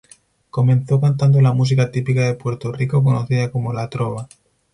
Comenzó cantando la música típica de Puerto Rico, conocida como la "trova".